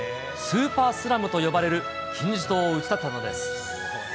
スーパースラムと呼ばれる金字塔を打ち立てたのです。